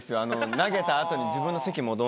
投げた後に自分の席戻るのが。